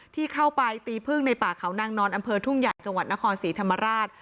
ที่เข้าไปตีพึ่งในป่าเขานางนอนอำเภอทุ่งใหญ่จังหวัดนครศรีธรรมราช